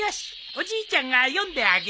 おじいちゃんが読んであげよう。